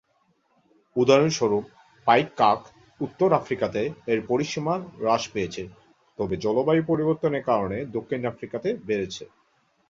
উদাহরণস্বরূপ পাইক কাক উত্তর আফ্রিকাতে এর পরিসীমা হ্রাস পেয়েছে, তবে জলবায়ু পরিবর্তনের কারণে দক্ষিণ আফ্রিকাতে বেড়েছে।